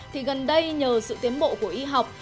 thì gần đây nhờ sự tiến bộ của y học